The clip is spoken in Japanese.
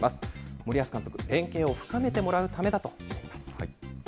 森保監督、連係を深めてもらうためだとしています。